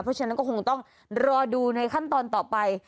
เพราะฉะนั้นก็คงต้องรอดูในขั้นตอนต่อไป